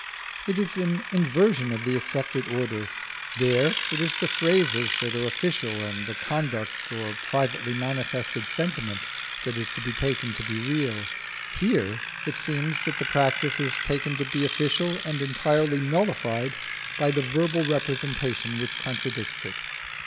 It is an inversion of the accepted order: there it is the phrases that are official and the conduct or privately manifested sentiment that is taken to be real; here it seems that the practice is taken to be official and entirely nullified by the verbal representation which contradicts it.